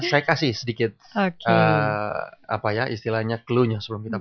saya kasih sedikit apa ya istilahnya clue nya sebelum kita